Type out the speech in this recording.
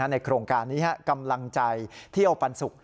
โครงการนี้กำลังใจเที่ยวปันสุก